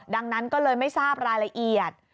ดังนั้นก็เลยไม่ทราบรายละเอียด